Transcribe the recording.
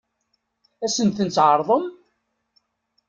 Ad sen-tent-tɛeṛḍem?